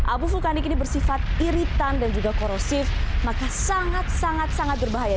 abu vulkanik ini bersifat iritan dan juga korosif maka sangat sangat berbahaya